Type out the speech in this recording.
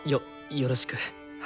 よろしく。